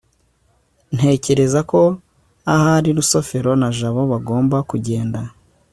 ntekereza ko ahari rusufero na jabo bagomba kugenda